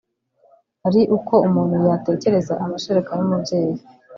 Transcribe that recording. ari uko umuntu yatekereza amashereka y’umubyeyi